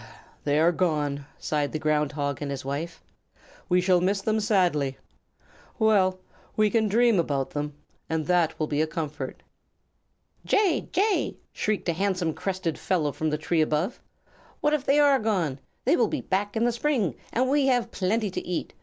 "They are gone!" sighed the Ground Hog and his wife. "We shall miss them sadly. Well, we can dream about them, and that will be a comfort." "Jay! Jay!" shrieked a handsome crested fellow from the tree above. "What if they are gone? They will be back in the spring, and we have plenty to eat.